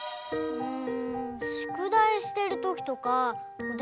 うん！